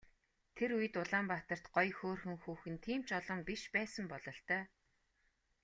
Тэр үед Улаанбаатарт гоё хөөрхөн хүүхэн тийм ч олон биш байсан бололтой.